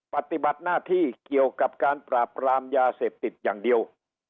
ปฏิบัติหน้าที่เกี่ยวกับการปราบปรามยาเสพติดอย่างเดียว